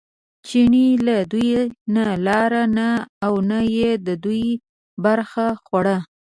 چیني له دوی نه لاره نه او نه یې د دوی برخه خوړه.